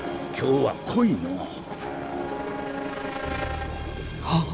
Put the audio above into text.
今日は濃いのお。